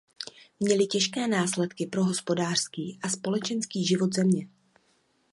Měly těžké následky pro hospodářský a společenský život země.